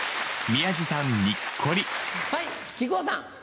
はい木久扇さん。